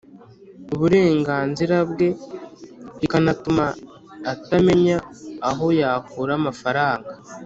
uburenganzira bwe, rikanatuma atamenya aho yakura amafaranga